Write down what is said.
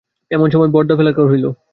এমন সময় বরদা ফেরার হইল।